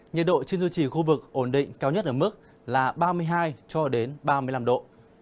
nhật độ trên du trì khu vực ổn định cao nhất ở mức là ba mươi hai ba mươi năm độ